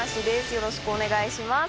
よろしくお願いします。